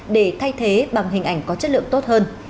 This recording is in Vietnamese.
để thay thế bằng hình ảnh có chất lượng tốt hơn